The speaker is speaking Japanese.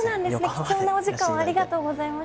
貴重なお時間をありがとうございます。